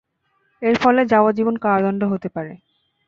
এর ফলে যাবজ্জীবন কারাদণ্ড হতে পারে।